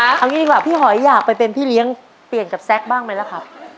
เอางี้ดีกว่าพี่หอยอยากไปเป็นพี่เลี้ยงเปลี่ยนกับแซคบ้างไหมล่ะครับ